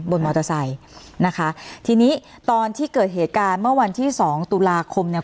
บนมอเตอร์ไซค์นะคะทีนี้ตอนที่เกิดเหตุการณ์เมื่อวันที่สองตุลาคมเนี่ย